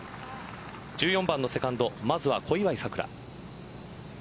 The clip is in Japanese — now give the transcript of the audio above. １４番のセカンドまずは小祝さくら。